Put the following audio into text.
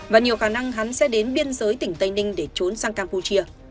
và nhiều khả năng hắn sẽ đến biên giới tỉnh tây ninh để trốn sang campuchia